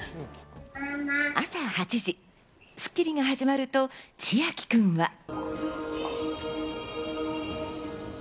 朝８時、『スッキリ』が始まると智秋くんは。